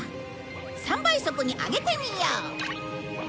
３倍速に上げてみよう！